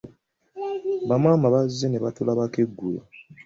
Bamaama bazze nebatulabako eggulo.